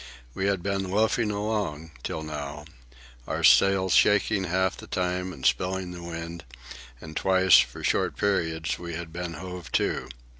We had been loafing along, till now, our sails shaking half the time and spilling the wind; and twice, for short periods, we had been hove to.